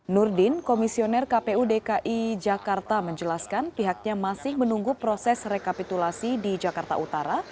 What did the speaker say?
nurdin komisioner kpu dki jakarta menjelaskan pihaknya masih menunggu proses rekapitulasi di jakarta utara